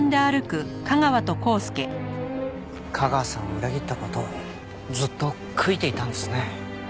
架川さんを裏切った事ずっと悔いていたんですね。